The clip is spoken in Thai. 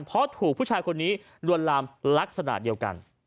เพราะถูกผู้ชายคนนี้ลวนลามลักษณะเดียวกัน